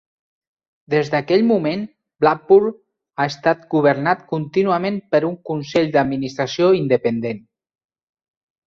Des d'aquell moment, Blackburn ha estat governat contínuament per un Consell d'Administració independent.